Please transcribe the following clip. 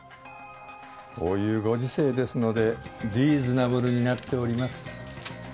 こういうご時世ですのでリーズナブルになっております。